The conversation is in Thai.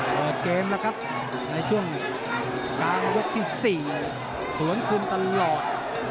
เปิดเกมแล้วครับในช่วงกลางยกที่๔สวนคืนตลอด